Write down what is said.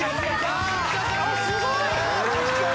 ・すごい！